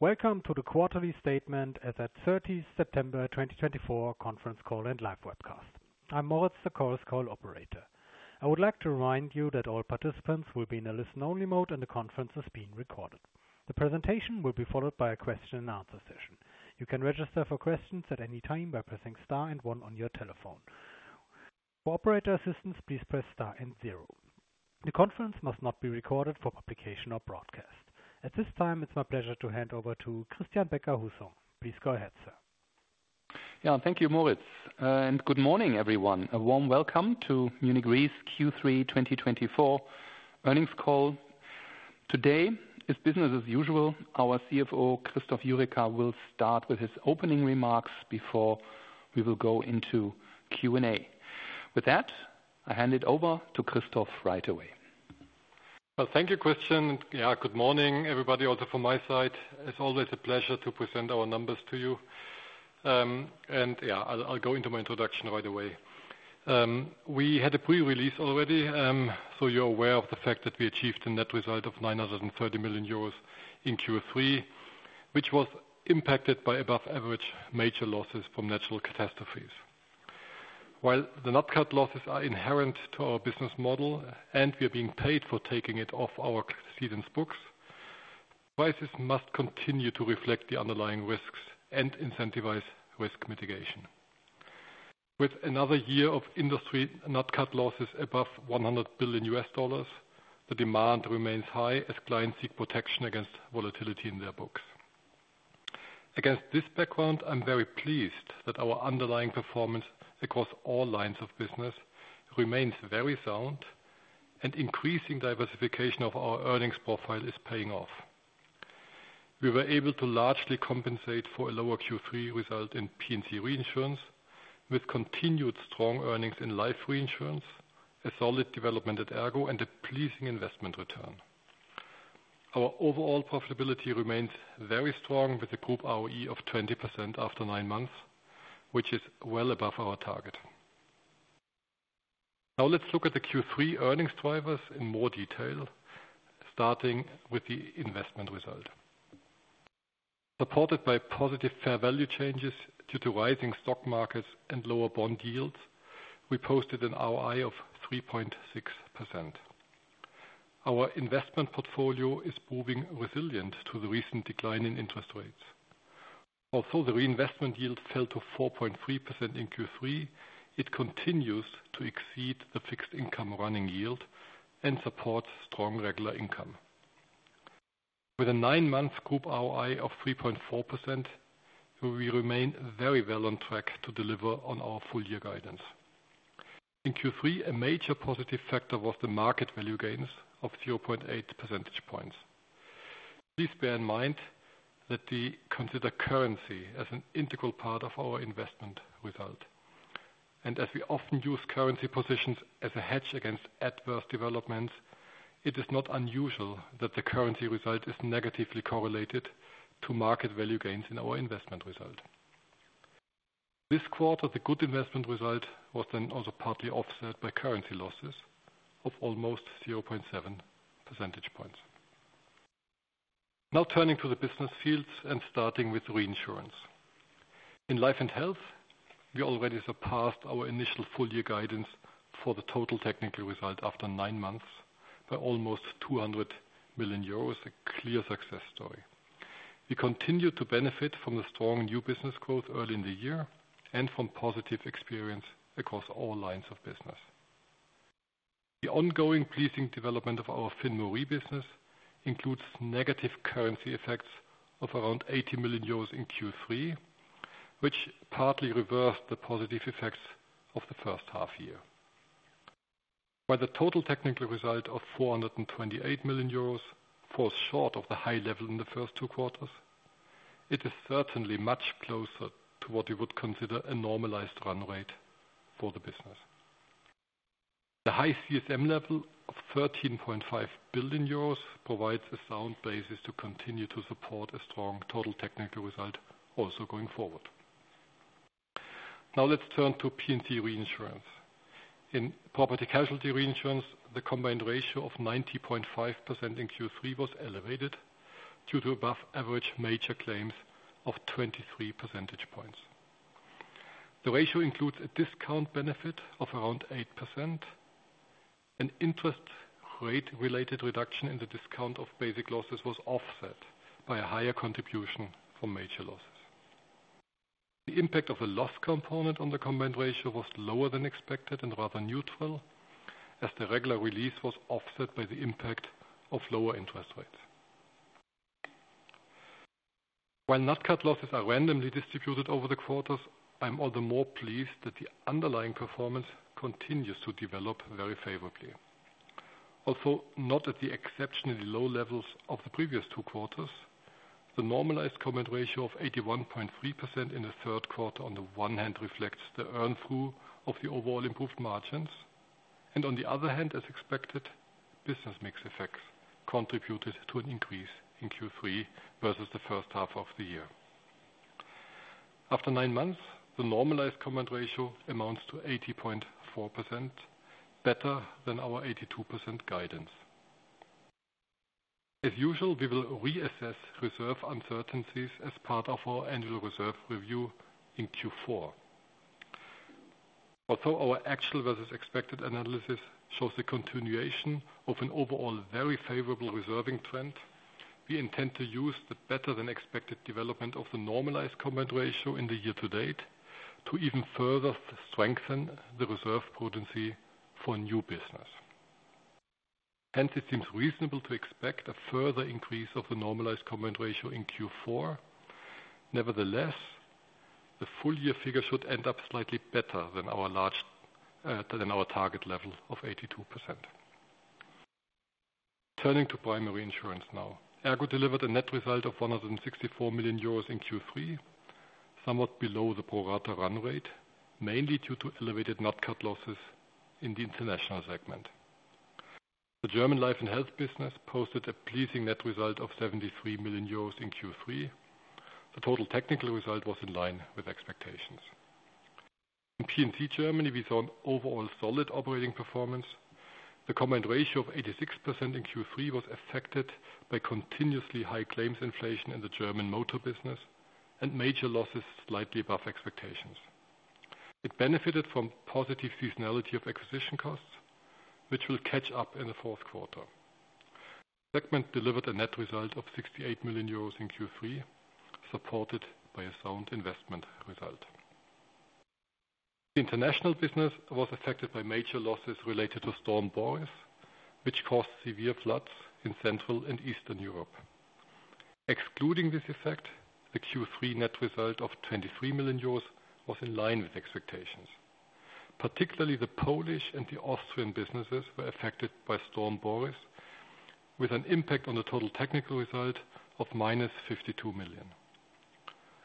Welcome to the quarterly statement at the 30th September 2024 Conference Call and live webcast. I'm Moritz, the Chorus Call operator. I would like to remind you that all participants will be in a listen-only mode, and the conference is being recorded. The presentation will be followed by a question-and-answer session. You can register for questions at any time by pressing star and one on your telephone. For operator assistance, please press star and zero. The conference must not be recorded for publication or broadcast. At this time, it's my pleasure to hand over to Christian Becker-Hussong. Please go ahead, sir. Yeah, thank you, Moritz, and good morning, everyone. A warm welcome to Munich Re Q3 2024 Earnings Call. Today, as business as usual, our CFO, Christoph Jurecka, will start with his opening remarks before we will go into Q&A. With that, I hand it over to Christoph right away. Thank you, Christian. Yeah, good morning, everybody. Also, from my side, it's always a pleasure to present our numbers to you. And yeah, I'll go into my introduction right away. We had a pre-release already, so you're aware of the fact that we achieved a net result of 930 million euros in Q3, which was impacted by above-average major losses from natural catastrophes. While the NatCat losses are inherent to our business model and we are being paid for taking it off our cedents' books, prices must continue to reflect the underlying risks and incentivize risk mitigation. With another year of industry NatCat losses above $100 billion US dollars, the demand remains high as clients seek protection against volatility in their books. Against this background, I'm very pleased that our underlying performance across all lines of business remains very sound, and increasing diversification of our earnings profile is paying off. We were able to largely compensate for a lower Q3 result in P&C Reinsurance, with continued strong earnings in life reinsurance, a solid development at ERGO, and a pleasing investment return. Our overall profitability remains very strong with a group ROE of 20% after nine months, which is well above our target. Now let's look at the Q3 earnings drivers in more detail, starting with the investment result. Supported by positive fair value changes due to rising stock markets and lower bond yields, we posted an ROI of 3.6%. Our investment portfolio is proving resilient to the recent decline in interest rates. Although the reinvestment yield fell to 4.3% in Q3, it continues to exceed the fixed income running yield and supports strong regular income. With a nine-month group ROI of 3.4%, we remain very well on track to deliver on our full-year guidance. In Q3, a major positive factor was the market value gains of 0.8 percentage points. Please bear in mind that we consider currency as an integral part of our investment result, and as we often use currency positions as a hedge against adverse developments, it is not unusual that the currency result is negatively correlated to market value gains in our investment result. This quarter, the good investment result was then also partly offset by currency losses of almost 0.7 percentage points. Now turning to the business fields and starting with reinsurance. In life and health, we already surpassed our initial full-year guidance for the total technical result after nine months by almost €200 million, a clear success story. We continue to benefit from the strong new business growth early in the year and from positive experience across all lines of business. The ongoing pleasing development of our FinRe business includes negative currency effects of around 80 million euros in Q3, which partly reversed the positive effects of the first half year. While the total technical result of 428 million euros falls short of the high level in the first two quarters, it is certainly much closer to what we would consider a normalized run rate for the business. The high CSM level of 13.5 billion euros provides a sound basis to continue to support a strong total technical result also going forward. Now let's turn to P&C Reinsurance. In property casualty reinsurance, the combined ratio of 90.5% in Q3 was elevated due to above-average major claims of 23 percentage points. The ratio includes a discount benefit of around 8%. An interest rate-related reduction in the discount of basic losses was offset by a higher contribution from major losses. The impact of the loss component on the combined ratio was lower than expected and rather neutral, as the regular release was offset by the impact of lower interest rates. While NatCat losses are randomly distributed over the quarters, I'm all the more pleased that the underlying performance continues to develop very favorably. Although not at the exceptionally low levels of the previous two quarters, the normalized combined ratio of 81.3% in the third quarter, on the one hand, reflects the earn-through of the overall improved margins, and on the other hand, as expected, business mix effects contributed to an increase in Q3 versus the first half of the year. After nine months, the normalized combined ratio amounts to 80.4%, better than our 82% guidance. As usual, we will reassess reserve uncertainties as part of our annual reserve review in Q4. Although our actual versus expected analysis shows a continuation of an overall very favorable reserving trend, we intend to use the better-than-expected development of the normalized combined ratio in the year to date to even further strengthen the reserve potency for new business. Hence, it seems reasonable to expect a further increase of the normalized combined ratio in Q4. Nevertheless, the full-year figure should end up slightly better than our target level of 82%. Turning to primary insurance now, ERGO delivered a net result of €164 million in Q3, somewhat below the pro rata run rate, mainly due to elevated NatCat losses in the international segment. The German life and health business posted a pleasing net result of €73 million in Q3. The total technical result was in line with expectations. In P&C Germany, we saw an overall solid operating performance. The combined ratio of 86% in Q3 was affected by continuously high claims inflation in the German motor business and major losses slightly above expectations. It benefited from positive seasonality of acquisition costs, which will catch up in the fourth quarter. The segment delivered a net result of 68 million euros in Q3, supported by a sound investment result. The international business was affected by major losses related to Storm Boris, which caused severe floods in Central and Eastern Europe. Excluding this effect, the Q3 net result of 23 million euros was in line with expectations. Particularly, the Polish and the Austrian businesses were affected by Storm Boris, with an impact on the total technical result of minus 52 million.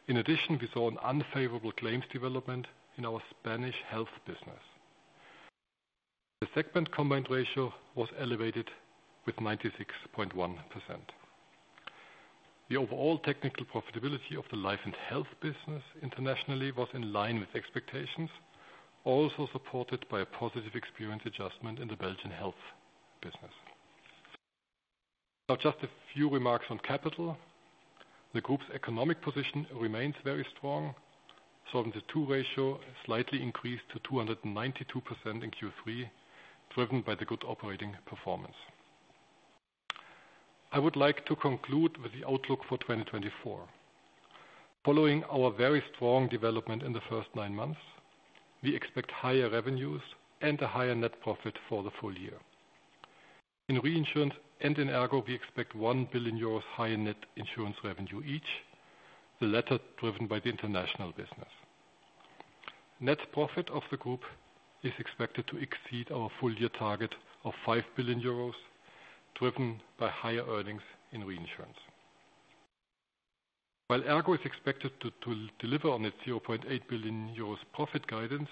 In addition, we saw an unfavorable claims development in our Spanish health business. The segment combined ratio was elevated with 96.1%. The overall technical profitability of the life and health business internationally was in line with expectations, also supported by a positive experience adjustment in the Belgian health business. Now, just a few remarks on capital. The group's economic position remains very strong. Solvency II ratio slightly increased to 292% in Q3, driven by the good operating performance. I would like to conclude with the outlook for 2024. Following our very strong development in the first nine months, we expect higher revenues and a higher net profit for the full year. In reinsurance and in ERGO, we expect 1 billion euros higher net insurance revenue each, the latter driven by the international business. Net profit of the group is expected to exceed our full-year target of 5 billion euros, driven by higher earnings in reinsurance. While ERGO is expected to deliver on its 0.8 billion euros profit guidance,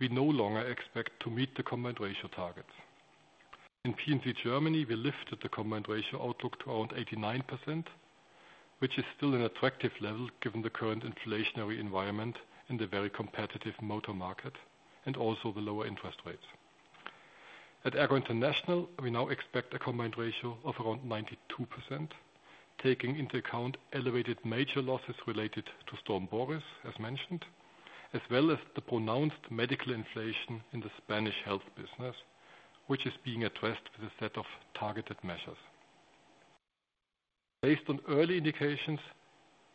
we no longer expect to meet the combined ratio targets. In P&C Germany, we lifted the combined ratio outlook to around 89%, which is still an attractive level given the current inflationary environment in the very competitive motor market and also the lower interest rates. At ERGO International, we now expect a combined ratio of around 92%, taking into account elevated major losses related to Storm Boris, as mentioned, as well as the pronounced medical inflation in the Spanish health business, which is being addressed with a set of targeted measures. Based on early indications,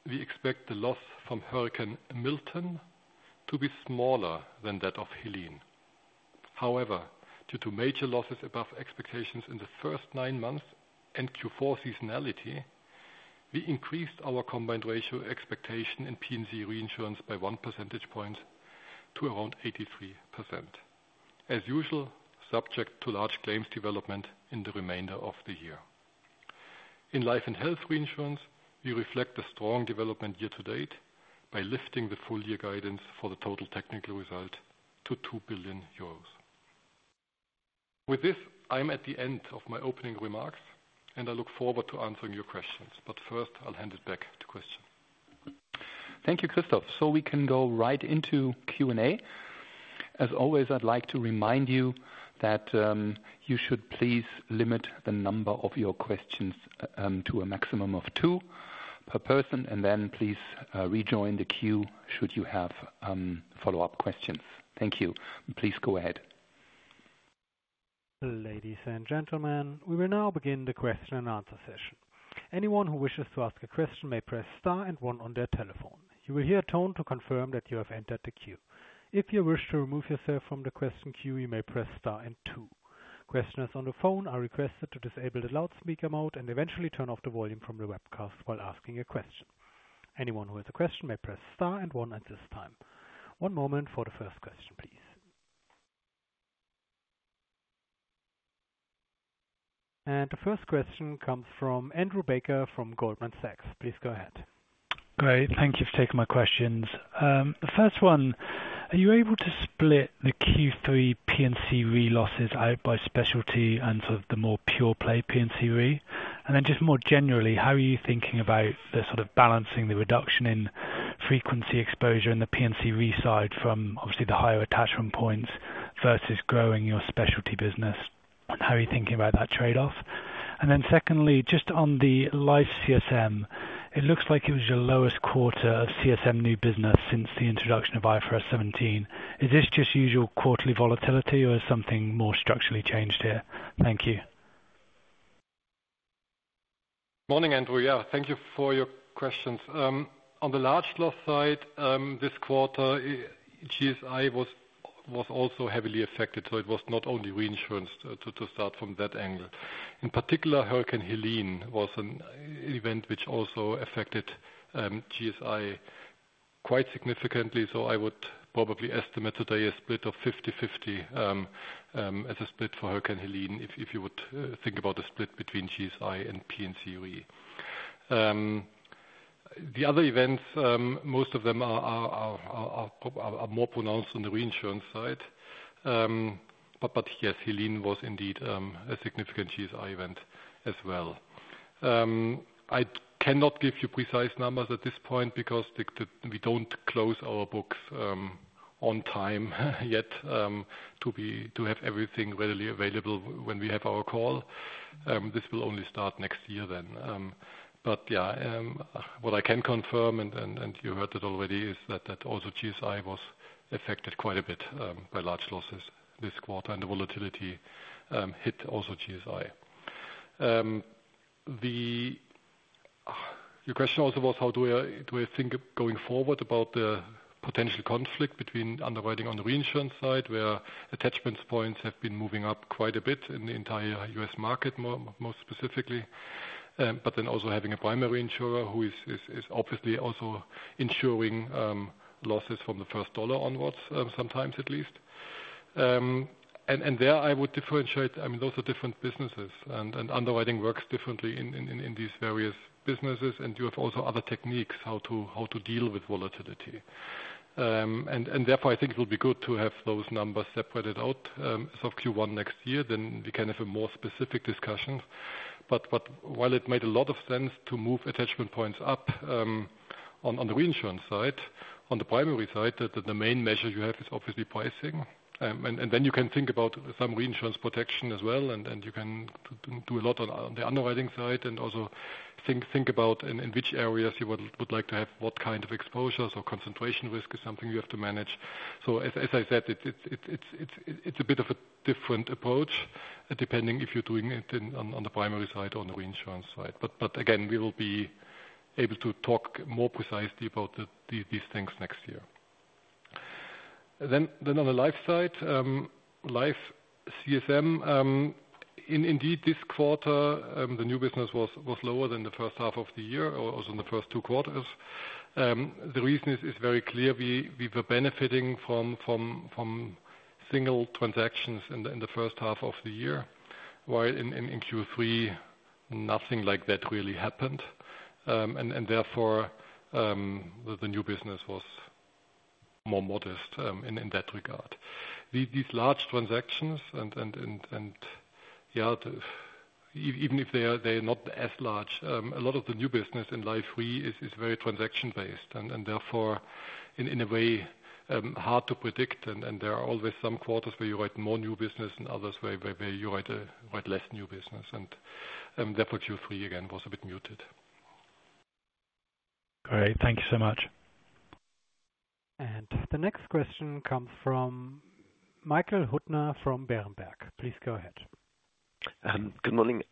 we expect the loss from Hurricane Milton to be smaller than that of Helene. However, due to major losses above expectations in the first nine months and Q4 seasonality, we increased our combined ratio expectation in P&C Reinsurance by one percentage point to around 83%, as usual, subject to large claims development in the remainder of the year. In life and health reinsurance, we reflect the strong development year to date by lifting the full-year guidance for the total technical result to 2 billion euros. With this, I'm at the end of my opening remarks, and I look forward to answering your questions. But first, I'll hand it back to Christian. Thank you, Christoph. So we can go right into Q&A. As always, I'd like to remind you that you should please limit the number of your questions to a maximum of two per person, and then please rejoin the queue should you have follow-up questions. Thank you. Please go ahead. Ladies and gentlemen, we will now begin the question-and-answer session. Anyone who wishes to ask a question may press star and one on their telephone. You will hear a tone to confirm that you have entered the queue. If you wish to remove yourself from the question queue, you may press star and two. Questioners on the phone are requested to disable the loudspeaker mode and eventually turn off the volume from the webcast while asking a question. Anyone who has a question may press star and one at this time. One moment for the first question, please. And the first question comes from Andrew Baker from Goldman Sachs. Please go ahead. Great. Thank you for taking my questions. The first one, are you able to split the Q3 P&C Re losses out by specialty and sort of the more pure play P&C Re? And then just more generally, how are you thinking about the sort of balancing the reduction in frequency exposure in the P&C Re side from obviously the higher attachment points versus growing your specialty business? How are you thinking about that trade-off? And then secondly, just on the life CSM, it looks like it was your lowest quarter of CSM new business since the introduction of IFRS 17. Is this just usual quarterly volatility, or is something more structurally changed here? Thank you. Morning, Andrew. Yeah, thank you for your questions. On the large loss side, this quarter, GSI was also heavily affected. So it was not only reinsurance to start from that angle. In particular, Hurricane Helene was an event which also affected GSI quite significantly. So I would probably estimate today a split of 50/50 as a split for Hurricane Helene, if you would think about a split between GSI and P&C Re. The other events, most of them are more pronounced on the reinsurance side. But yes, Helene was indeed a significant GSI event as well. I cannot give you precise numbers at this point because we don't close our books on time yet to have everything readily available when we have our call. This will only start next year then. But yeah, what I can confirm, and you heard it already, is that also GSI was affected quite a bit by large losses this quarter, and the volatility hit also GSI. Your question also was, how do I think going forward about the potential conflict between underwriting on the reinsurance side, where attachment points have been moving up quite a bit in the entire U.S. market, most specifically, but then also having a primary insurer who is obviously also insuring losses from the first dollar onwards, sometimes at least. And there I would differentiate, I mean, those are different businesses, and underwriting works differently in these various businesses, and you have also other techniques how to deal with volatility. And therefore, I think it would be good to have those numbers separated out. So Q1 next year, then we can have a more specific discussion. But while it made a lot of sense to move attachment points up on the reinsurance side, on the primary side, the main measure you have is obviously pricing. And then you can think about some reinsurance protection as well, and you can do a lot on the underwriting side and also think about in which areas you would like to have what kind of exposures or concentration risk is something you have to manage. So as I said, it's a bit of a different approach, depending if you're doing it on the primary side or on the reinsurance side. But again, we will be able to talk more precisely about these things next year. Then on the life side, life CSM, indeed, this quarter, the new business was lower than the first half of the year, or also in the first two quarters. The reason is very clear. We were benefiting from single transactions in the first half of the year, while in Q3, nothing like that really happened. And therefore, the new business was more modest in that regard. These large transactions, and yeah, even if they are not as large, a lot of the new business in life re is very transaction-based and therefore, in a way, hard to predict. And there are always some quarters where you write more new business and others where you write less new business. And therefore, Q3 again was a bit muted. Great. Thank you so much. And the next question comes from Michael Huttner from Berenberg. Please go ahead. Good morning.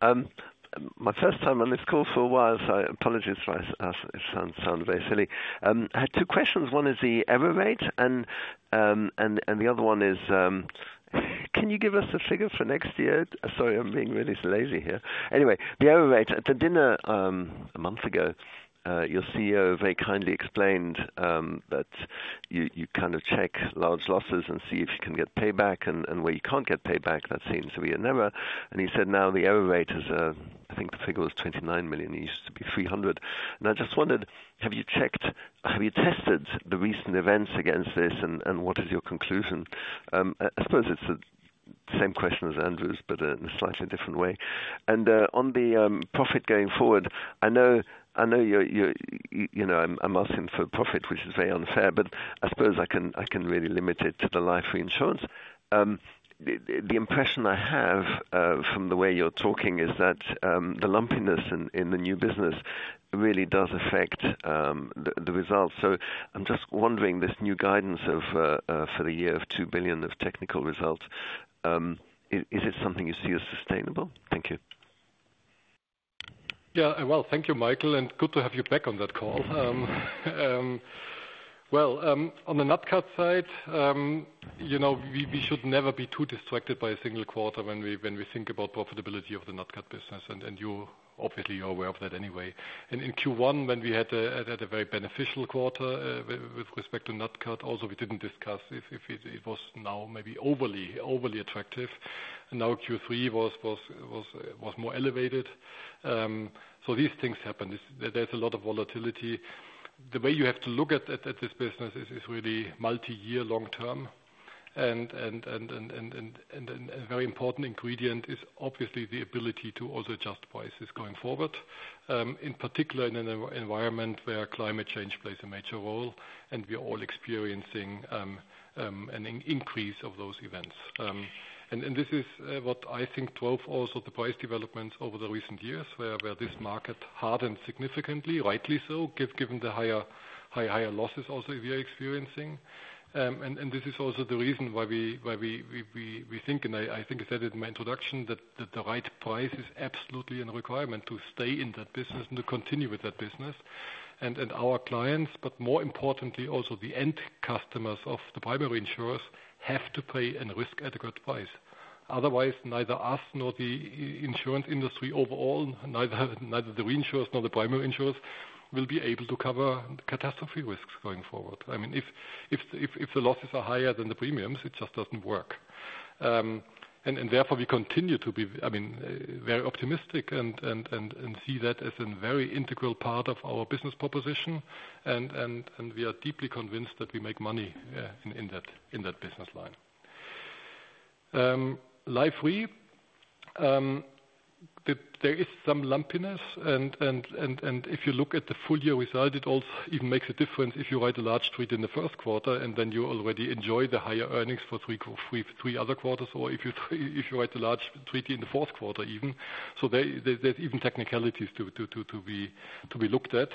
My first time on this call for a while, so I apologize if it sounds very silly. I had two questions. One is the error rate, and the other one is, can you give us a figure for next year? Sorry, I'm being really lazy here. Anyway, the error rate, at the dinner a month ago, your CEO very kindly explained that you kind of check large losses and see if you can get payback, and where you can't get payback, that seems to be a mirror. And he said now the error rate is, I think the figure was €29 million. It used to be €300 million. And I just wondered, have you tested the recent events against this, and what is your conclusion? I suppose it's the same question as Andrew's, but in a slightly different way. And on the profit going forward, I know I'm asking for profit, which is very unfair, but I suppose I can really limit it to the life reinsurance. The impression I have from the way you're talking is that the lumpiness in the new business really does affect the results. So I'm just wondering, this new guidance for the year of €2 billion of technical results, is it something you see as sustainable? Thank you. Yeah. Well, thank you, Michael, and good to have you back on that call. Well, on the NatCat side, we should never be too distracted by a single quarter when we think about profitability of the NatCat business. And obviously, you're aware of that anyway. And in Q1, when we had a very beneficial quarter with respect to NatCat, also we didn't discuss if it was now maybe overly attractive. And now Q3 was more elevated. So these things happen. There's a lot of volatility. The way you have to look at this business is really multi-year, long-term. And a very important ingredient is obviously the ability to also adjust prices going forward, in particular in an environment where climate change plays a major role, and we are all experiencing an increase of those events. And this is what I think drove also the price developments over the recent years, where this market hardened significantly, rightly so, given the higher losses also we are experiencing. And this is also the reason why we think, and I think I said it in my introduction, that the right price is absolutely a requirement to stay in that business and to continue with that business. And our clients, but more importantly, also the end customers of the primary insurers have to pay and risk at a good price. Otherwise, neither us nor the insurance industry overall, neither the reinsurers nor the primary insurers will be able to cover catastrophe risks going forward. I mean, if the losses are higher than the premiums, it just doesn't work. And therefore, we continue to be, I mean, very optimistic and see that as a very integral part of our business proposition. We are deeply convinced that we make money in that business line. Life Re, there is some lumpiness. If you look at the full-year result, it also even makes a difference if you write a large treaty in the first quarter, and then you already enjoy the higher earnings for three other quarters, or if you write a large treaty in the fourth quarter even. There's even technicalities to be looked at.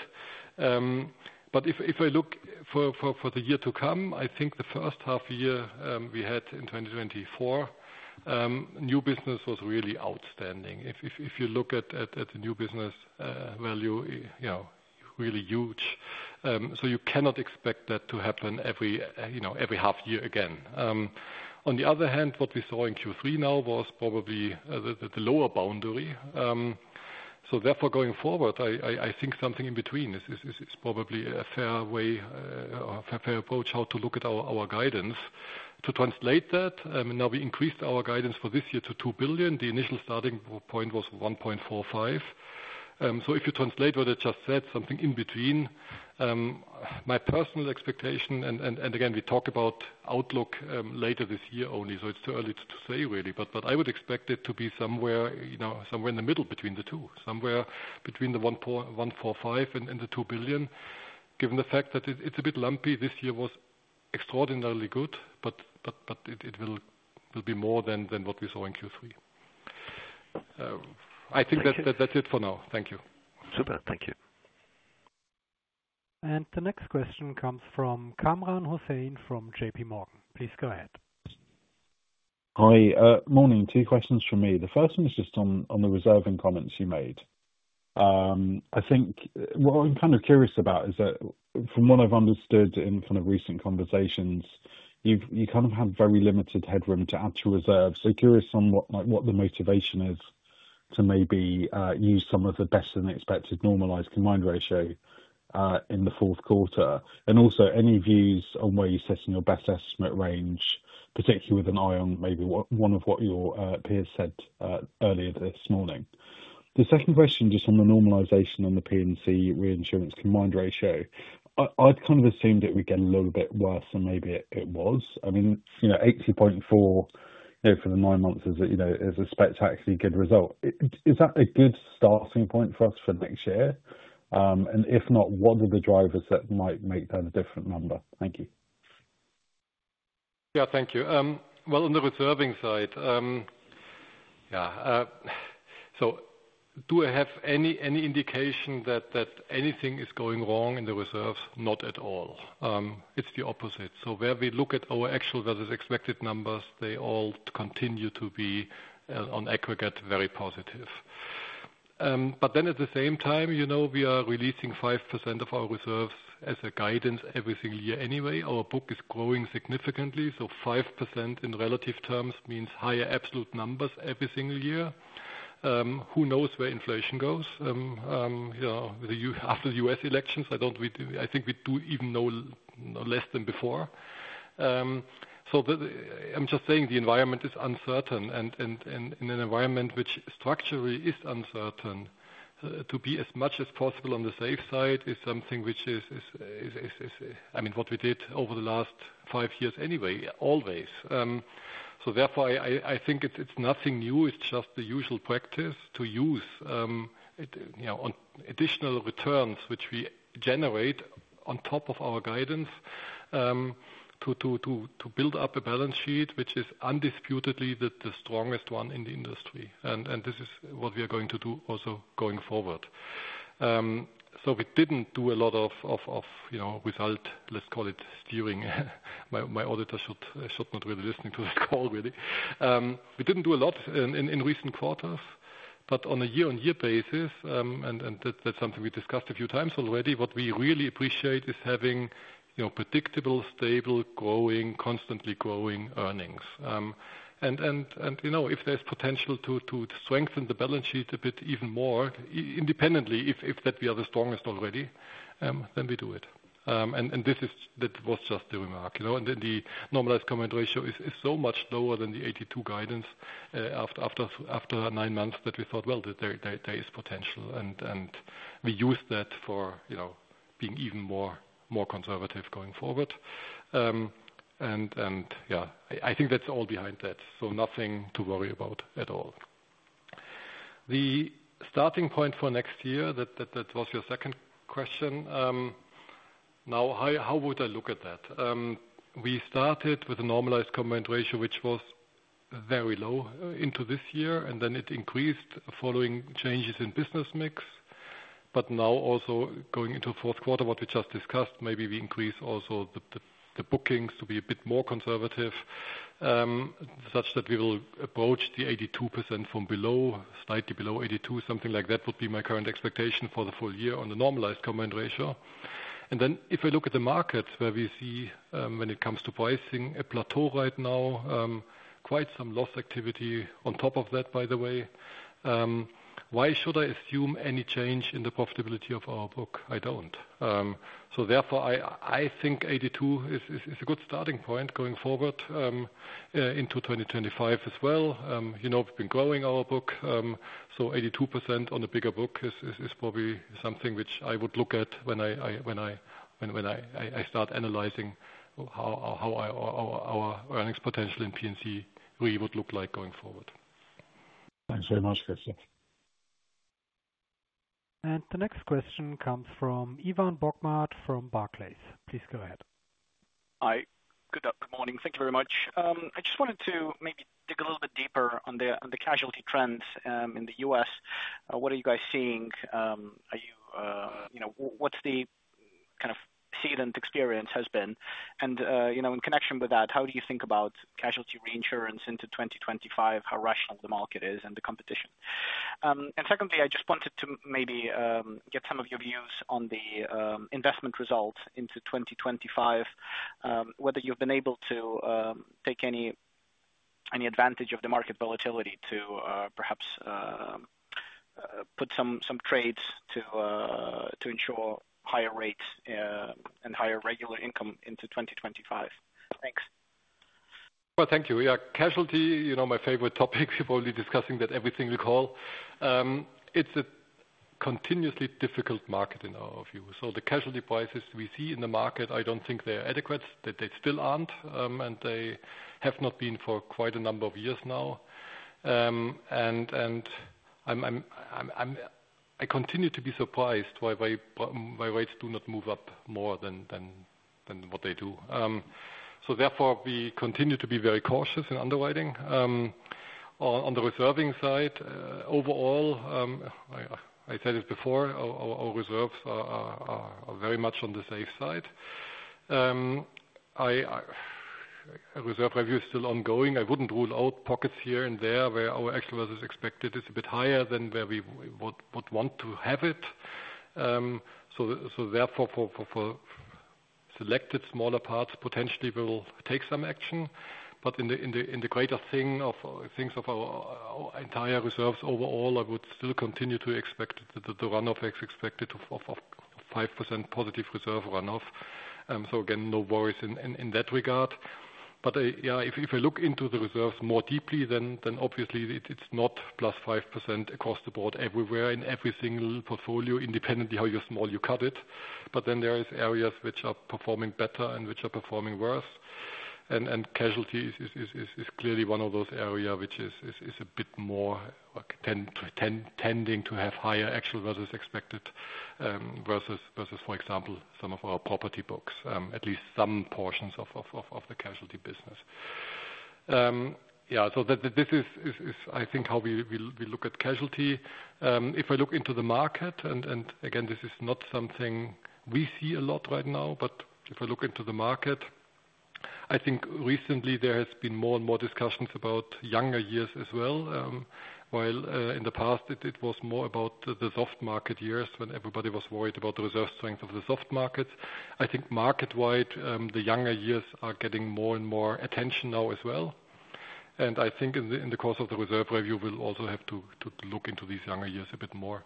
If I look for the year to come, I think the first half year we had in 2024, new business was really outstanding. If you look at the new business value, really huge. You cannot expect that to happen every half year again. On the other hand, what we saw in Q3 now was probably the lower boundary. So therefore, going forward, I think something in between is probably a fair approach how to look at our guidance to translate that. Now we increased our guidance for this year to €2 billion. The initial starting point was €1.45 billion. So if you translate what I just said, something in between, my personal expectation, and again, we talk about outlook later this year only, so it's too early to say really, but I would expect it to be somewhere in the middle between the two, somewhere between the €1.45 billion and the €2 billion, given the fact that it's a bit lumpy. This year was extraordinarily good, but it will be more than what we saw in Q3. I think that's it for now. Thank you. Super. Thank you. And the next question comes from Kamran Hossain from JPMorgan. Please go ahead. Hi. Morning. Two questions for me. The first one is just on the reserving comments you made. I think what I'm kind of curious about is that from what I've understood in kind of recent conversations, you kind of have very limited headroom to add to reserves. So curious on what the motivation is to maybe use some of the best unexpected normalized combined ratio in the fourth quarter. And also any views on where you're setting your best estimate range, particularly with an eye on maybe one of what your peers said earlier this morning. The second question just on the normalization on the P&C Reinsurance combined ratio. I'd kind of assumed it would get a little bit worse, and maybe it was. I mean, 80.4% for the nine months is a spectacularly good result. Is that a good starting point for us for next year? And if not, what are the drivers that might make that a different number? Thank you. Yeah, thank you. Well, on the reserving side, yeah. So do I have any indication that anything is going wrong in the reserves? Not at all. It's the opposite. So where we look at our actual versus expected numbers, they all continue to be, on aggregate, very positive. But then at the same time, we are releasing 5% of our reserves as a guidance every single year anyway. Our book is growing significantly. So 5% in relative terms means higher absolute numbers every single year. Who knows where inflation goes after the U.S. elections? I think we do even know less than before. So I'm just saying the environment is uncertain. And in an environment which structurally is uncertain, to be as much as possible on the safe side is something which is, I mean, what we did over the last five years anyway, always. So therefore, I think it's nothing new. It's just the usual practice to use additional returns which we generate on top of our guidance to build up a balance sheet, which is undisputedly the strongest one in the industry. And this is what we are going to do also going forward. So we didn't do a lot of result, let's call it steering. My auditor should not really listen to this call, really. We didn't do a lot in recent quarters, but on a year-on-year basis, and that's something we discussed a few times already, what we really appreciate is having predictable, stable, growing, constantly growing earnings. And if there's potential to strengthen the balance sheet a bit even more, independently, if that we are the strongest already, then we do it. And that was just the remark. And then the normalized combined ratio is so much lower than the 82% guidance after nine months that we thought, well, there is potential. And we use that for being even more conservative going forward. And yeah, I think that's all behind that. So nothing to worry about at all. The starting point for next year, that was your second question. Now, how would I look at that? We started with a normalized combined ratio, which was very low into this year, and then it increased following changes in business mix. But now also going into fourth quarter, what we just discussed, maybe we increase also the bookings to be a bit more conservative, such that we will approach the 82% from below, slightly below 82%, something like that would be my current expectation for the full year on the normalized combined ratio. And then if we look at the markets where we see, when it comes to pricing, a plateau right now, quite some loss activity on top of that, by the way. Why should I assume any change in the profitability of our book? I don't. So therefore, I think 82% is a good starting point going forward into 2025 as well. We've been growing our book. So 82% on a bigger book is probably something which I would look at when I start analyzing how our earnings potential in P&C Really would look like going forward. Thanks very much, Christoph. The next question comes from Ivan Bokhmat from Barclays. Please go ahead. Hi. Good morning. Thank you very much. I just wanted to maybe dig a little bit deeper on the casualty trends in the U.S. What are you guys seeing? What's the kind of settlement experience has been? And in connection with that, how do you think about casualty reinsurance into 2025, how rational the market is and the competition? And secondly, I just wanted to maybe get some of your views on the investment results into 2025, whether you've been able to take any advantage of the market volatility to perhaps put some trades to ensure higher rates and higher regular income into 2025. Thanks. Thank you. Yeah, casualty, my favorite topic. We've already discussed that every single call. It's a continuously difficult market in our view. So the casualty prices we see in the market, I don't think they're adequate. They still aren't, and they have not been for quite a number of years now. And I continue to be surprised why rates do not move up more than what they do. So therefore, we continue to be very cautious in underwriting. On the reserving side, overall, I said it before, our reserves are very much on the safe side. Reserve review is still ongoing. I wouldn't rule out pockets here and there where our actual versus expected is a bit higher than where we would want to have it. So therefore, for selected smaller parts, potentially we'll take some action. But in the greater things of our entire reserves overall, I would still continue to expect the runoff expected of 5% positive reserve runoff. So again, no worries in that regard. But yeah, if we look into the reserves more deeply, then obviously it's not plus 5% across the board everywhere in every single portfolio, independently how small you cut it. But then there are areas which are performing better and which are performing worse. And casualty is clearly one of those areas which is a bit more tending to have higher actual versus expected versus, for example, some of our property books, at least some portions of the casualty business. Yeah, so this is, I think, how we look at casualty. If I look into the market, and again, this is not something we see a lot right now, but if I look into the market, I think recently there has been more and more discussions about younger years as well. While in the past, it was more about the soft market years when everybody was worried about the reserve strength of the soft markets. I think market-wide, the younger years are getting more and more attention now as well. And I think in the course of the reserve review, we'll also have to look into these younger years a bit more.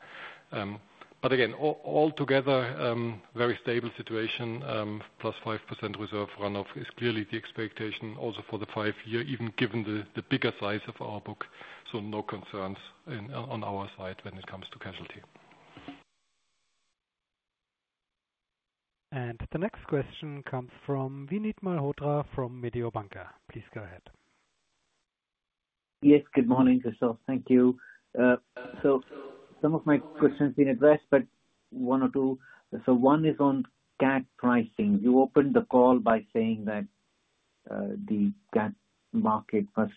But again, all together, very stable situation, plus 5% reserve runoff is clearly the expectation also for the five-year, even given the bigger size of our book. So no concerns on our side when it comes to casualty. And the next question comes from Vinit Malhotra from Mediobanca. Please go ahead. Yes, good morning, Christoph. Thank you. So some of my questions have been addressed, but one or two. So one is on CAT pricing. You opened the call by saying that the CAT market must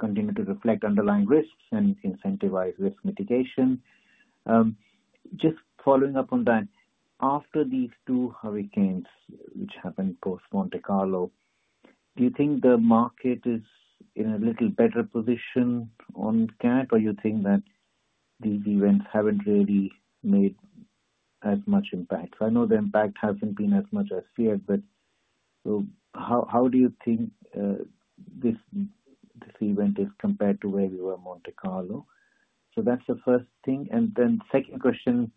continue to reflect underlying risks and incentivize risk mitigation. Just following up on that, after these two hurricanes, which happened post Monte Carlo, do you think the market is in a little better position on CAT, or do you think that these events haven't really made as much impact? So I know the impact hasn't been as much as here, but how do you think this event is compared to where we were in Monte Carlo? So that's the first thing. And then the second question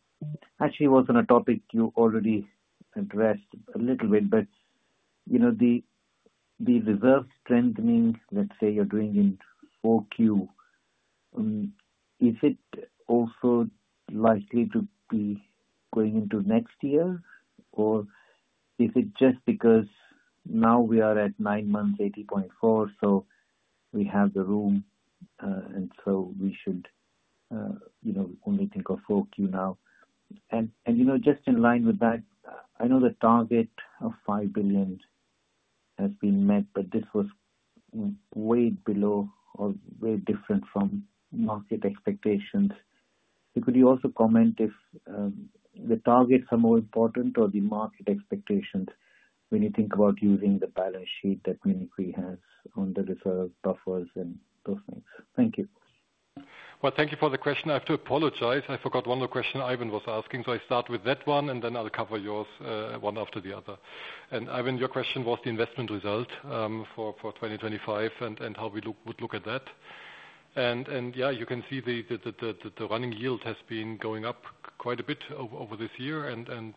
actually was on a topic you already addressed a little bit, but the reserve strengthening, let's say you're doing in Q4, is it also likely to be going into next year, or is it just because now we are at nine months, 80.4, so we have the room, and so we should only think of Q4 now? And just in line with that, I know the target of €5 billion has been met, but this was way below or way different from market expectations. Could you also comment if the targets are more important or the market expectations when you think about using the balance sheet that Munich Re has on the reserve buffers and those things? Thank you. Thank you for the question. I have to apologize. I forgot one of the questions Ivan was asking, so I'll start with that one, and then I'll cover yours one after the other. Ivan, your question was the investment result for 2025 and how we would look at that. Yeah, you can see the running yield has been going up quite a bit over this year, and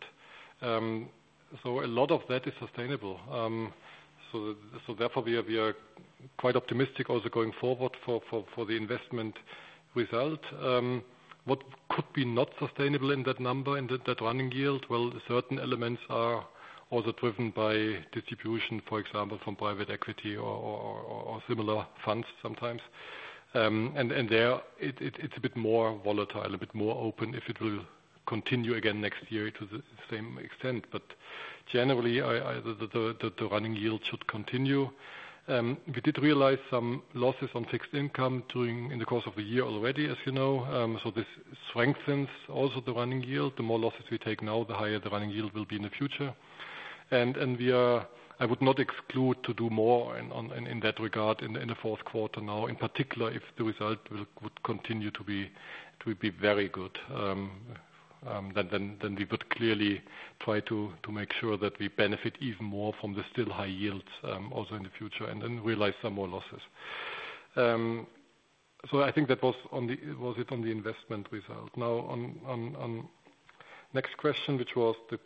so a lot of that is sustainable. Therefore, we are quite optimistic also going forward for the investment result. What could be not sustainable in that number, in that running yield? Certain elements are also driven by distribution, for example, from private equity or similar funds sometimes. There, it's a bit more volatile, a bit more open if it will continue again next year to the same extent. Generally, the running yield should continue. We did realize some losses on fixed income during the course of the year already, as you know. So this strengthens also the running yield. The more losses we take now, the higher the running yield will be in the future. And I would not exclude doing more in that regard in the fourth quarter now, in particular if the result would continue to be very good. Then we would clearly try to make sure that we benefit even more from the still high yields also in the future and then realize some more losses. So I think that was it on the investment result. Now, on the next question, which was the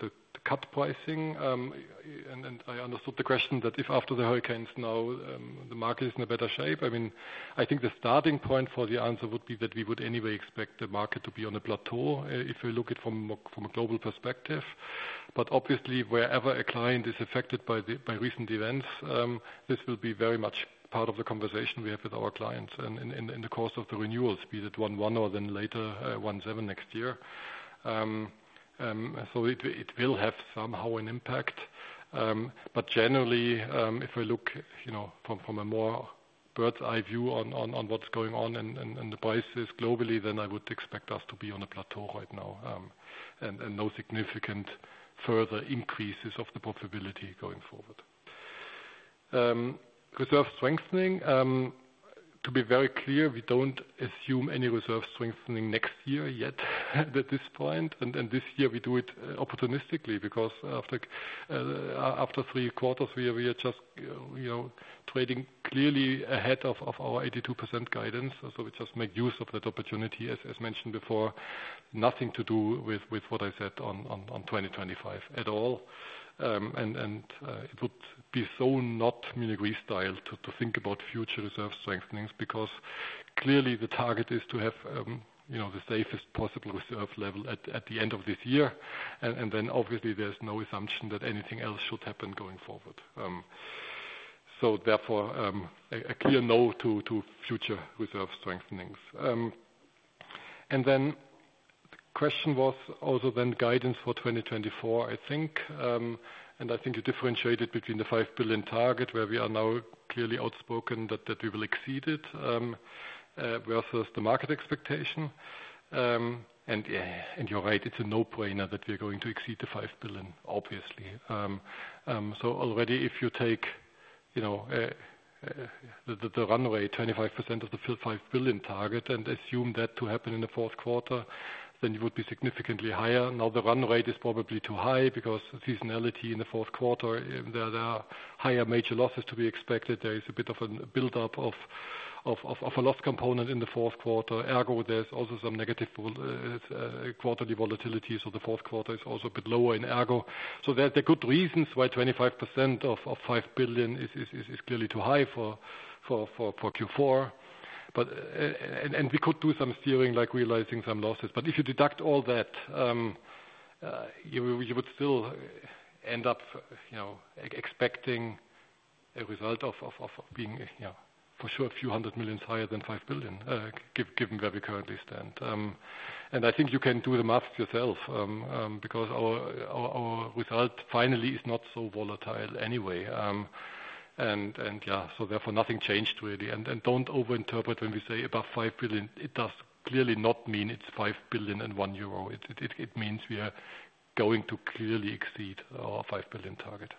CAT pricing, and I understood the question that if after the hurricanes now, the market is in a better shape. I mean, I think the starting point for the answer would be that we would anyway expect the market to be on a plateau if we look at it from a global perspective. But obviously, wherever a client is affected by recent events, this will be very much part of the conversation we have with our clients in the course of the renewals, be it 1.1 or then later 1.7 next year. So it will have somehow an impact. But generally, if we look from a more bird's-eye view on what's going on and the prices globally, then I would expect us to be on a plateau right now and no significant further increases of the profitability going forward. Reserve strengthening, to be very clear, we don't assume any reserve strengthening next year yet at this point. And this year, we do it opportunistically because after three quarters, we are just trading clearly ahead of our 82% guidance. So we just make use of that opportunity, as mentioned before. Nothing to do with what I said on 2025 at all. And it would be so not Munich Re style to think about future reserve strengthenings because clearly the target is to have the safest possible reserve level at the end of this year. And then obviously, there's no assumption that anything else should happen going forward. So therefore, a clear no to future reserve strengthenings. And then the question was also then guidance for 2024, I think. And I think you differentiated between the 5 billion target where we are now clearly outspoken that we will exceed it versus the market expectation. And you're right, it's a no-brainer that we're going to exceed the 5 billion, obviously. Already, if you take the run rate, 25% of the 5 billion target, and assume that to happen in the fourth quarter, then it would be significantly higher. Now, the run rate is probably too high because seasonality in the fourth quarter, there are higher major losses to be expected. There is a bit of a build-up of a loss component in the fourth quarter. ERGO, there's also some negative quarterly volatility. So the fourth quarter is also a bit lower in ERGO. So there are good reasons why 25% of 5 billion is clearly too high for Q4. And we could do some steering, like realizing some losses. But if you deduct all that, you would still end up expecting a result of being for sure a few hundred millions higher than 5 billion, given where we currently stand. I think you can do the math yourself because our result finally is not so volatile anyway. Yeah, so therefore, nothing changed really. Don't overinterpret when we say above 5 billion. It does clearly not mean it's 5 billion and 1 euro. It means we are going to clearly exceed our 5 billion target.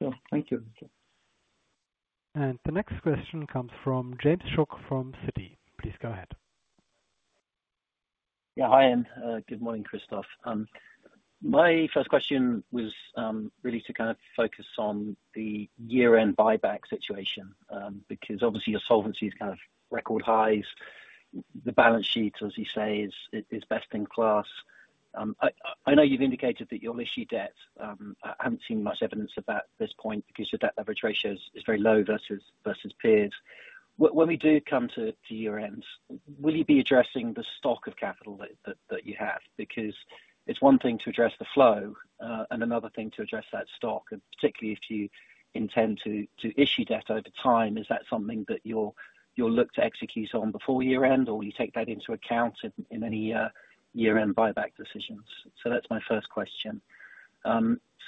Yeah, thank you. And the next question comes from James Shuck from Citi. Please go ahead. Yeah, hi, and good morning, Christoph. My first question was really to kind of focus on the year-end buyback situation because obviously, your solvency is kind of record highs. The balance sheet, as you say, is best in class. I know you've indicated that you'll issue debt. I haven't seen much evidence at this point because your debt leverage ratio is very low versus peers. When we do come to year-ends, will you be addressing the stock of capital that you have? Because it's one thing to address the flow and another thing to address that stock, particularly if you intend to issue debt over time. Is that something that you'll look to execute on before year-end, or will you take that into account in any year-end buyback decisions? So that's my first question.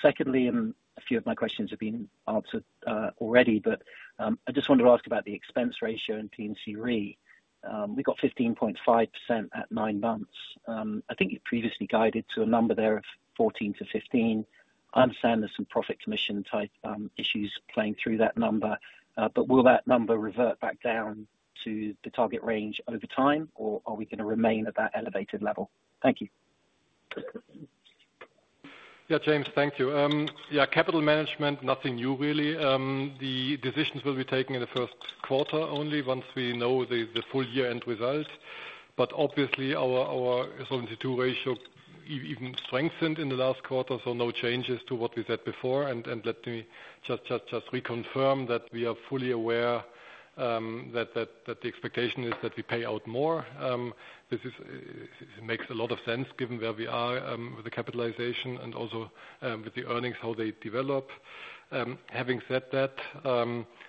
Secondly, a few of my questions have been answered already, but I just wanted to ask about the expense ratio in P&C Re. We got 15.5% at nine months. I think you previously guided to a number there of 14%-15%. I understand there's some profit commission-type issues playing through that number, but will that number revert back down to the target range over time, or are we going to remain at that elevated level? Thank you. Yeah, James, thank you. Yeah, capital management, nothing new really. The decisions will be taken in the first quarter only once we know the full year-end result, but obviously, our Solvency II ratio even strengthened in the last quarter, so no changes to what we said before, and let me just reconfirm that we are fully aware that the expectation is that we pay out more. This makes a lot of sense given where we are with the capitalization and also with the earnings, how they develop. Having said that,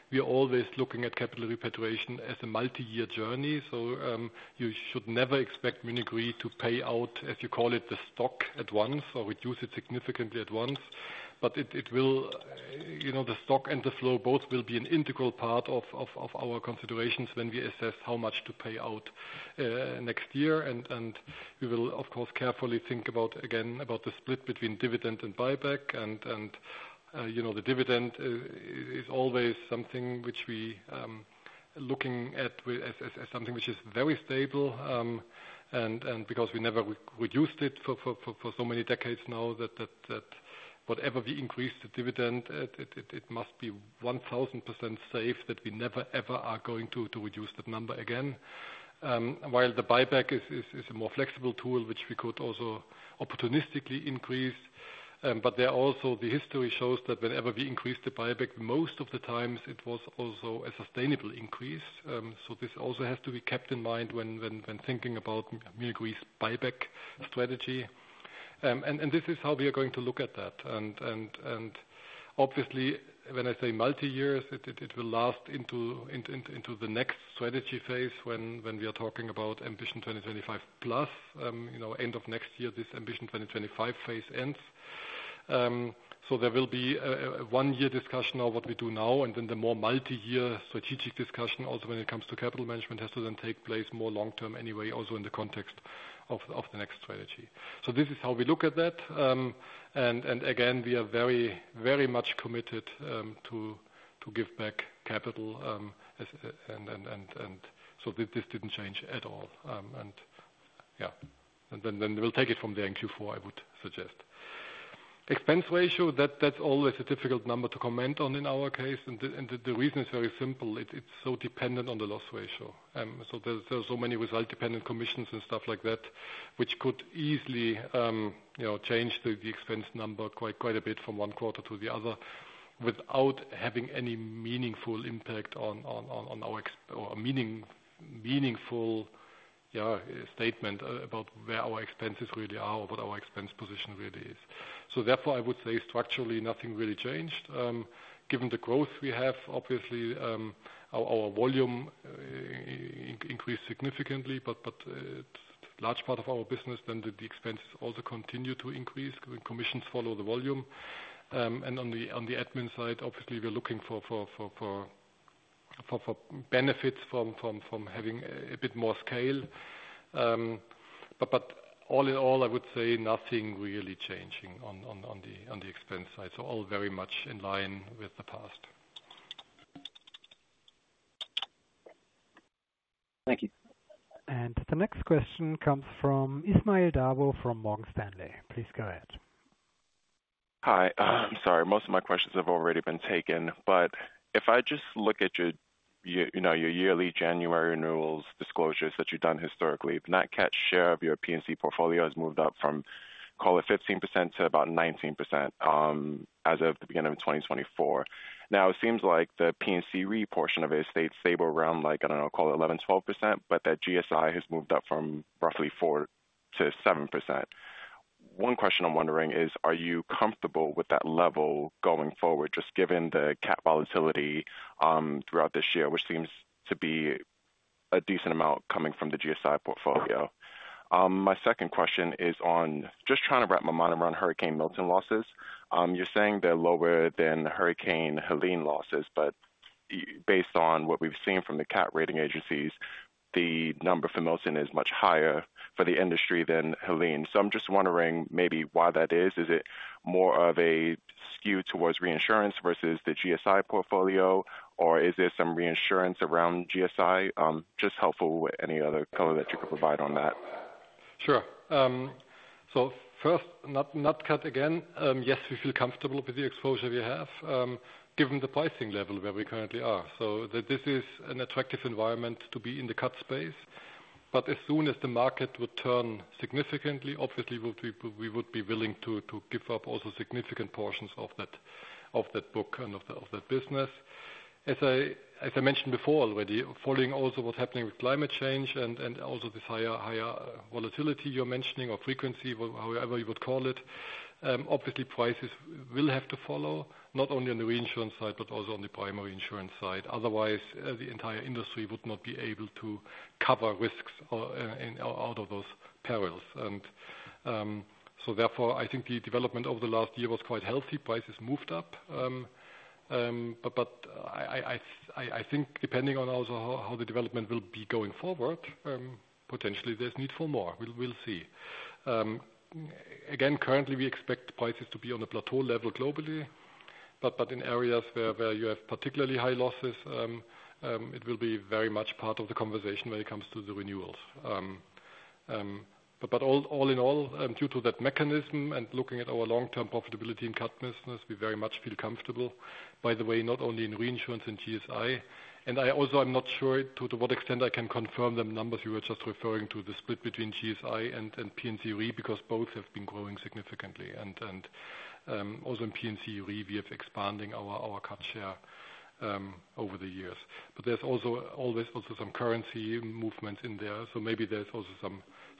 we are always looking at capital repatriation as a multi-year journey, so you should never expect Munich Re to pay out, as you call it, the stock at once or reduce it significantly at once, but the stock and the flow both will be an integral part of our considerations when we assess how much to pay out next year. And we will, of course, carefully think again about the split between dividend and buyback. And the dividend is always something which we are looking at as something which is very stable. And because we never reduced it for so many decades now, that whatever we increase the dividend, it must be 1,000% safe that we never, ever are going to reduce that number again. While the buyback is a more flexible tool, which we could also opportunistically increase. But there also, the history shows that whenever we increased the buyback, most of the times, it was also a sustainable increase. So this also has to be kept in mind when thinking about Munich Re's buyback strategy. And this is how we are going to look at that. And obviously, when I say multi-years, it will last into the next strategy phase when we are talking about Ambition 2025 Plus. End of next year, this Ambition 2025 phase ends. So there will be a one-year discussion of what we do now, and then the more multi-year strategic discussion also when it comes to capital management has to then take place more long-term anyway, also in the context of the next strategy. So this is how we look at that. And again, we are very, very much committed to give back capital. And so this didn't change at all. And yeah, then we'll take it from there in Q4, I would suggest. Expense ratio, that's always a difficult number to comment on in our case. And the reason is very simple. It's so dependent on the loss ratio. So there are so many result-dependent commissions and stuff like that, which could easily change the expense number quite a bit from one quarter to the other without having any meaningful impact on our meaningful statement about where our expenses really are or what our expense position really is. So therefore, I would say structurally, nothing really changed. Given the growth we have, obviously, our volume increased significantly, but a large part of our business, then the expenses also continue to increase because commissions follow the volume. And on the admin side, obviously, we're looking for benefits from having a bit more scale. But all in all, I would say nothing really changing on the expense side. So all very much in line with the past. Thank you. And the next question comes from Ismail Darbar from Morgan Stanley. Please go ahead. Hi. I'm sorry. Most of my questions have already been taken. But if I just look at your yearly January renewals disclosures that you've done historically, the net cat share of your P&C portfolio has moved up from, call it 15% to about 19% as of the beginning of 2024. Now, it seems like the P&C Re portion of it stayed stable around, I don't know, call it 11%-12%, but that GSI has moved up from roughly 4%-7%. One question I'm wondering is, are you comfortable with that level going forward, just given the CAT volatility throughout this year, which seems to be a decent amount coming from the GSI portfolio? My second question is on just trying to wrap my mind around Hurricane Milton losses. You're saying they're lower than Hurricane Helene losses, but based on what we've seen from the CAT rating agencies, the number for Milton is much higher for the industry than Helene. So I'm just wondering maybe why that is. Is it more of a skew towards reinsurance versus the GSI portfolio, or is there some reinsurance around GSI? Just helpful with any other color that you could provide on that. Sure. So first, NatCat again. Yes, we feel comfortable with the exposure we have, given the pricing level where we currently are. So this is an attractive environment to be in the NatCat space. But as soon as the market would turn significantly, obviously, we would be willing to give up also significant portions of that book and of that business. As I mentioned before already, following also what's happening with climate change and also this higher volatility you're mentioning or frequency, however you would call it, obviously, prices will have to follow, not only on the reinsurance side, but also on the primary insurance side. Otherwise, the entire industry would not be able to cover risks out of those perils. And so therefore, I think the development over the last year was quite healthy. Prices moved up. But I think, depending on also how the development will be going forward, potentially there's need for more. We'll see. Again, currently, we expect prices to be on a plateau level globally. But in areas where you have particularly high losses, it will be very much part of the conversation when it comes to the renewals. But all in all, due to that mechanism and looking at our long-term profitability in Cat business, we very much feel comfortable, by the way, not only in reinsurance and GSI. And I also am not sure to what extent I can confirm the numbers you were just referring to, the split between GSI and P&C Re because both have been growing significantly. And also in P&C Re, we have expanding our Cat share over the years. But there's also always some currency movements in there. So maybe there's also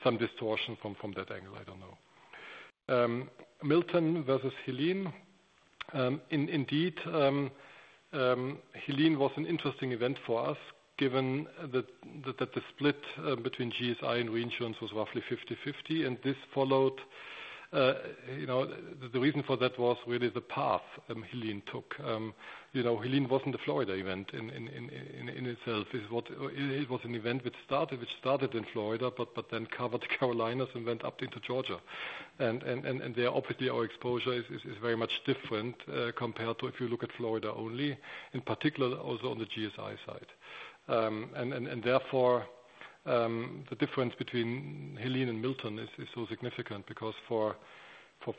some distortion from that angle. I don't know. Milton versus Helene. Indeed, Helene was an interesting event for us, given that the split between GSI and reinsurance was roughly 50/50. And this followed. The reason for that was really the path Helene took. Helene wasn't a Florida event in itself. It was an event which started in Florida, but then covered the Carolinas and went up into Georgia. And there, obviously, our exposure is very much different compared to if you look at Florida only, in particular, also on the GSI side. And therefore, the difference between Helene and Milton is so significant because for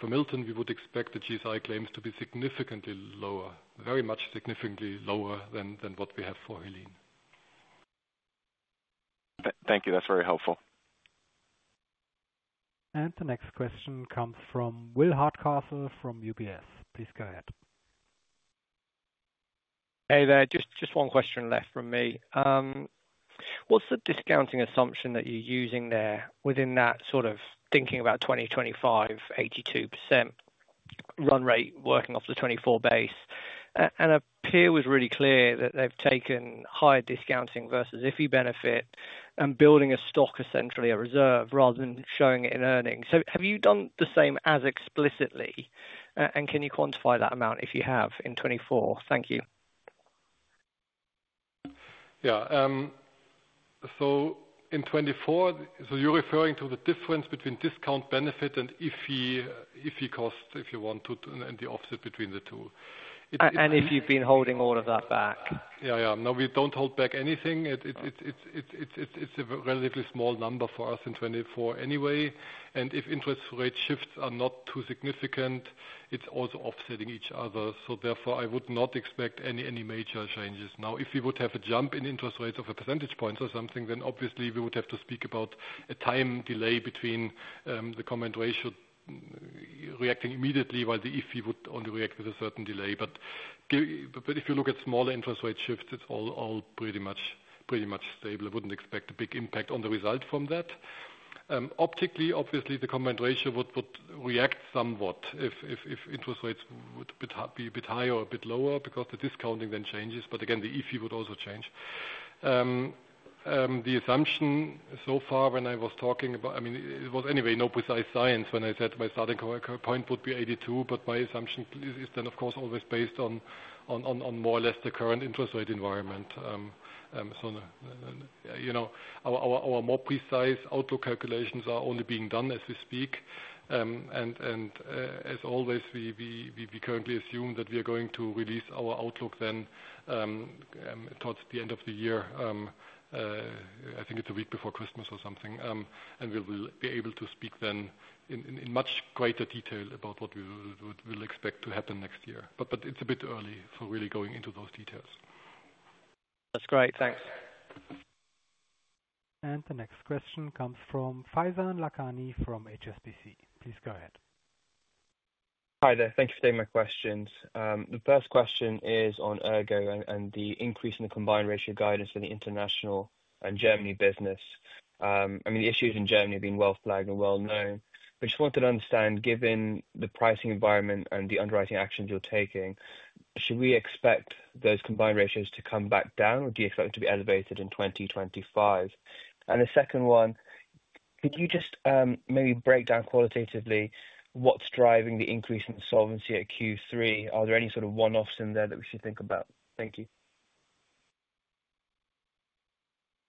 Milton, we would expect the GSI claims to be significantly lower, very much significantly lower than what we have for Helene. Thank you. That's very helpful. The next question comes from Will Hardcastle from UBS. Please go ahead. Hey there. Just one question left from me. What's the discounting assumption that you're using there within that sort of thinking about 2025, 82% run rate working off the 2024 base? And it appears really clear that they've taken higher discounting versus if you benefit and building a stock essentially a reserve rather than showing it in earnings. So have you done the same as explicitly? And can you quantify that amount if you have in 2024? Thank you. Yeah. So in 2024, so you're referring to the difference between discount benefit and IFRS cost, if you want to, and the offset between the two. And if you've been holding all of that back. Yeah, yeah. No, we don't hold back anything. It's a relatively small number for us in 2024 anyway. And if interest rate shifts are not too significant, it's also offsetting each other. So therefore, I would not expect any major changes. Now, if we would have a jump in interest rates of a percentage point or something, then obviously, we would have to speak about a time delay between the combined ratio reacting immediately while the IFRS would only react with a certain delay. But if you look at smaller interest rate shifts, it's all pretty much stable. I wouldn't expect a big impact on the result from that. Optically, obviously, the combined ratio would react somewhat if interest rates would be a bit higher or a bit lower because the discounting then changes. But again, the IFRS would also change. The assumption so far when I was talking about, I mean, it was anyway no precise science when I said my starting point would be 82, but my assumption is then, of course, always based on more or less the current interest rate environment. So our more precise outlook calculations are only being done as we speak. And as always, we currently assume that we are going to release our outlook then towards the end of the year. I think it's a week before Christmas or something. And we will be able to speak then in much greater detail about what we will expect to happen next year. But it's a bit early for really going into those details. That's great. Thanks. And the next question comes from Faizan Lakhani from HSBC. Please go ahead. Hi there. Thank you for taking my questions. The first question is on ERGO and the increase in the combined ratio guidance for the international and Germany business. I mean, the issues in Germany have been well flagged and well known. But I just wanted to understand, given the pricing environment and the underwriting actions you're taking, should we expect those combined ratios to come back down, or do you expect them to be elevated in 2025? And the second one, could you just maybe break down qualitatively what's driving the increase in solvency at Q3? Are there any sort of one-offs in there that we should think about? Thank you.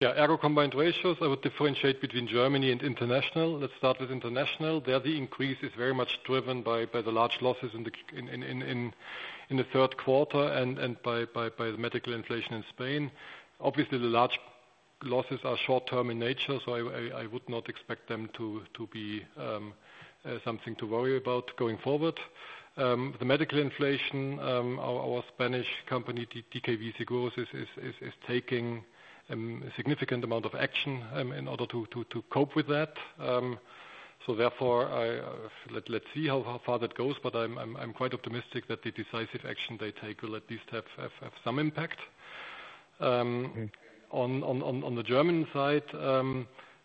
Yeah. ERGO combined ratios, I would differentiate between Germany and international. Let's start with international. There, the increase is very much driven by the large losses in the third quarter and by the medical inflation in Spain. Obviously, the large losses are short-term in nature, so I would not expect them to be something to worry about going forward. The medical inflation, our Spanish company, DKV Seguros, is taking a significant amount of action in order to cope with that. So therefore, let's see how far that goes. But I'm quite optimistic that the decisive action they take will at least have some impact. On the German side,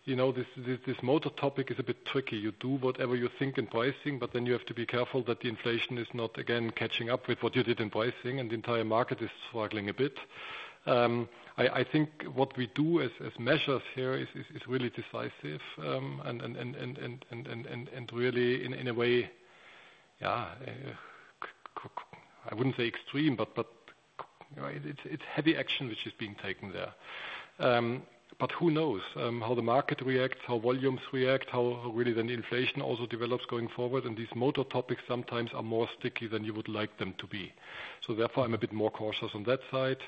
this motor topic is a bit tricky. You do whatever you think in pricing, but then you have to be careful that the inflation is not, again, catching up with what you did in pricing, and the entire market is struggling a bit. I think what we do as measures here is really decisive and really, in a way, yeah, I wouldn't say extreme, but it's heavy action which is being taken there. But who knows how the market reacts, how volumes react, how really then inflation also develops going forward. And these motor topics sometimes are more sticky than you would like them to be. So therefore, I'm a bit more cautious on that side.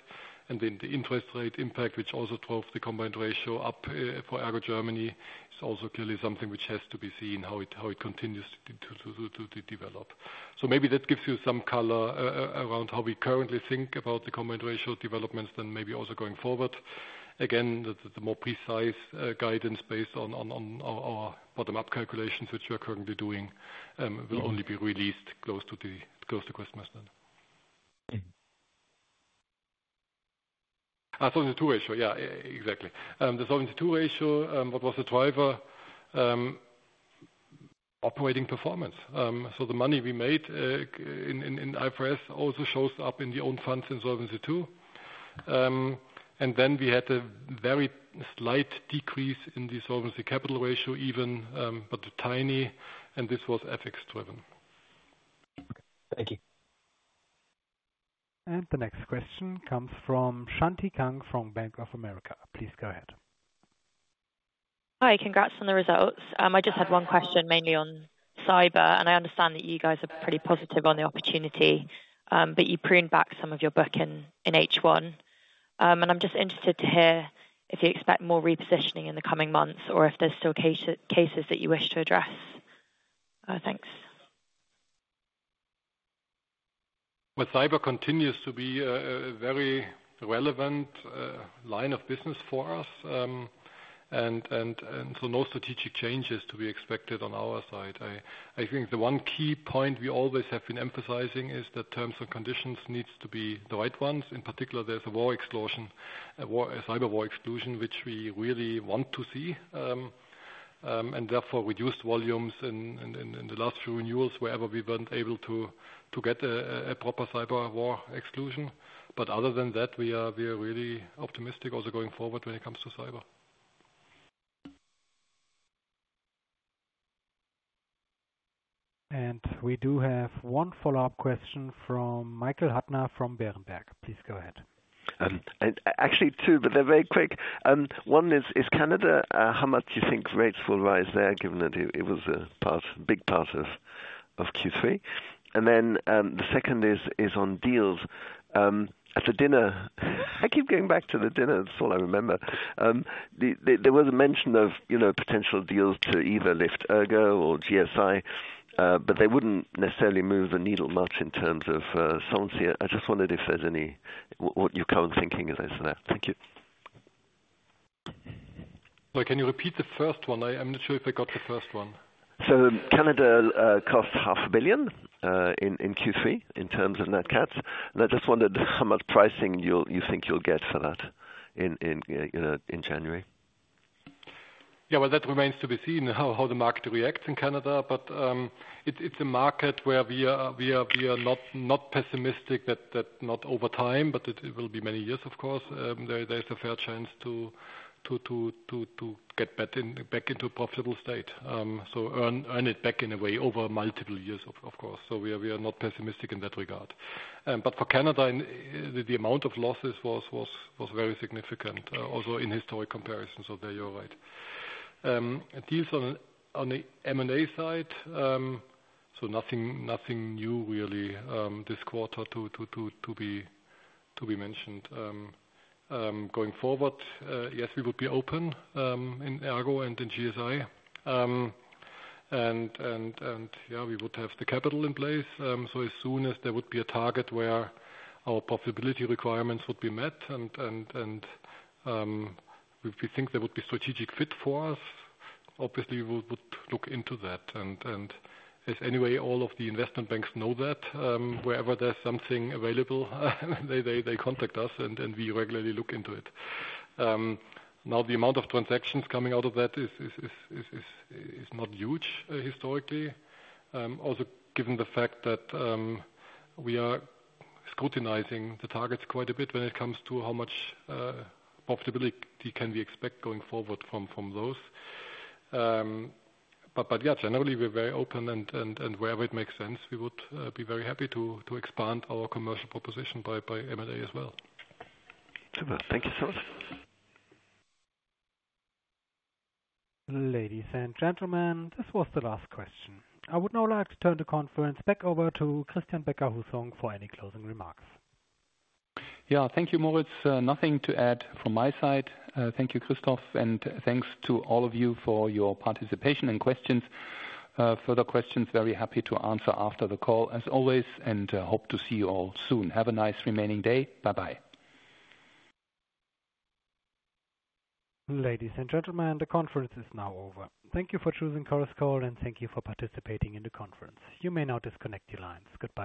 And then the interest rate impact, which also drove the combined ratio up for ERGO Germany, is also clearly something which has to be seen how it continues to develop. So maybe that gives you some color around how we currently think about the combined ratio developments and maybe also going forward. Again, the more precise guidance based on our bottom-up calculations, which we're currently doing, will only be released close to Christmas then. The Solvency II ratio, yeah, exactly. The Solvency II ratio, what was the driver? Operating performance. So the money we made in IFRS also shows up in the own funds in Solvency II. And then we had a very slight decrease in the solvency capital ratio, even but tiny, and this was FX-driven. Thank you. And the next question comes from Shanti Kang from Bank of America. Please go ahead. Hi. Congrats on the results. I just had one question mainly on cyber. And I understand that you guys are pretty positive on the opportunity, but you pruned back some of your book in H1. And I'm just interested to hear if you expect more repositioning in the coming months or if there's still cases that you wish to address. Thanks. Well, cyber continues to be a very relevant line of business for us. And so no strategic changes to be expected on our side. I think the one key point we always have been emphasizing is that terms and conditions need to be the right ones. In particular, there's a cyber war exclusion, which we really want to see. And therefore, we reduced volumes in the last few renewals wherever we weren't able to get a proper cyber war exclusion. But other than that, we are really optimistic also going forward when it comes to cyber. And we do have one follow-up question from Michael Huttner from Berenberg. Please go ahead. Actually, two, but they're very quick. One is Canada, how much you think rates will rise there, given that it was a big part of Q3? And then the second is on deals. At the dinner, I keep going back to the dinner. That's all I remember. There was a mention of potential deals to either lift ERGO or GSI, but they wouldn't necessarily move the needle much in terms of solvency. I just wondered if there's any what your current thinking as I said that. Thank you. Can you repeat the first one? I'm not sure if I got the first one. So Canada cost €500 million in Q3 in terms of net NatCats. And I just wondered how much pricing you think you'll get for that in January. Yeah, well, that remains to be seen how the market reacts in Canada. But it's a market where we are not pessimistic that not over time, but it will be many years, of course. There is a fair chance to get back into a profitable state. So earn it back in a way over multiple years, of course. So we are not pessimistic in that regard. But for Canada, the amount of losses was very significant, also in historic comparison. So there you're right. Deals on the M&A side, so nothing new really this quarter to be mentioned. Going forward, yes, we would be open in ERGO and in GSI. And yeah, we would have the capital in place. So as soon as there would be a target where our profitability requirements would be met and we think there would be strategic fit for us, obviously, we would look into that. And as anyway, all of the investment banks know that wherever there's something available, they contact us and we regularly look into it. Now, the amount of transactions coming out of that is not huge historically, also given the fact that we are scrutinizing the targets quite a bit when it comes to how much profitability can we expect going forward from those. But yeah, generally, we're very open and wherever it makes sense, we would be very happy to expand our commercial proposition by M&A as well. Super. Thank you so much. Ladies and gentlemen, this was the last question. I would now like to turn the conference back over to Christian Becker-Hussong for any closing remarks. Yeah, thank you, Moritz. Nothing to add from my side. Thank you, Christoph. And thanks to all of you for your participation and questions. Further questions, very happy to answer after the call, as always, and hope to see you all soon. Have a nice remaining day. Bye-bye. Ladies and gentlemen, the conference is now over. Thank you for choosing Chorus Call and thank you for participating in the conference. You may now disconnect your lines. Goodbye.